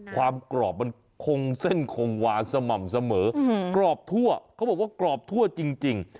ความกรอบมันคงเส้นคงหวานสม่ำเสมอกรอบทั่วเขาบอกว่ากรอบทั่วจริง